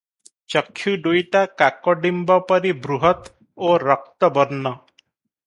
ଚକ୍ଷୁ ଦୁଇଟା କାକଡିମ୍ବ ପରି ବୃହତ୍ ଓ ରକ୍ତବର୍ଣ୍ଣ ।